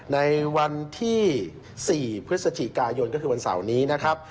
ในวันที่๔พฤศจิกายนก็คือวันเสาร์นี้นะครับ